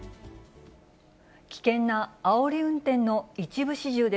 危険なあおり運転の一部始終